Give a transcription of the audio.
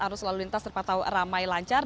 arus lalu lintas terpantau ramai lancar